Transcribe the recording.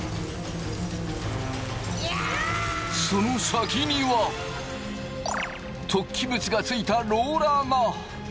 その先には突起物がついたローラーが。